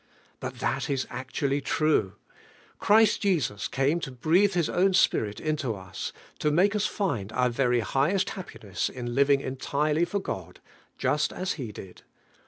But that is actually true. Christ Jesus came to breathe His own spirit into US, to make us liml OUT very highest happiness in living entirely for I'lVIM: lll AI.Ttfd. 213 God, just as lie did.